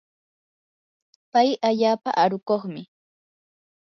pay allaapa arukuqmi.